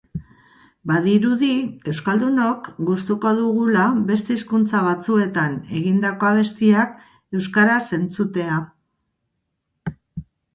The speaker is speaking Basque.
Badirudi euskaldunok gustuko dugula beste hizkuntza batzuetan egindako abestiak euskaraz entzutea.